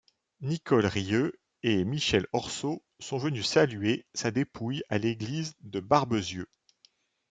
Nicole Rieu et Michel Orso sont venus saluer sa dépouille à l'église de Barbezieux.